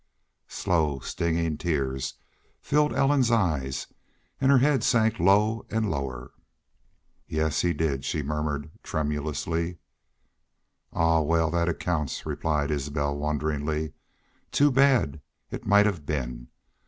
Slow, stinging tears filled Ellen's eyes, and her head sank low and lower. "Yes he did," she murmured, tremulously. "Ahuh! Wal, thet accounts," replied Isbel, wonderingly. "Too bad! ... It might have been....